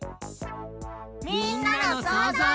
みんなのそうぞう。